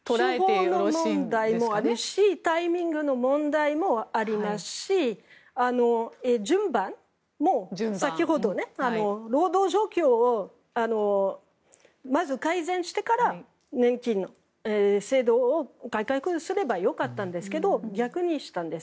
手法の問題もあるしタイミングの問題もあるし順番も、先ほど労働状況をまず改善してから年金制度を改革すればよかったんですけど逆にしたんです。